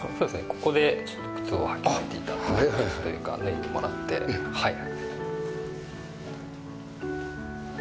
ここでちょっと靴を履き替えて頂くというか脱いでもらってはい。